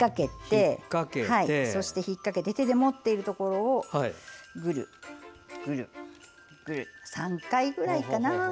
引っかけて手で持っているところをぐるぐるぐると３回ぐらいかな。